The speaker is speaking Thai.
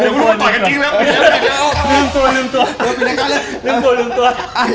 ลืมตัวลืมตัว